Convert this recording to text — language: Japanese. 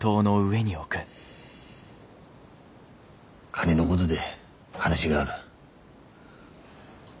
金のごどで話がある。